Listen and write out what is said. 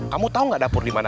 kamu tau gak dapur dimana